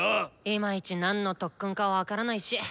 いまいち何の特訓か分からないし。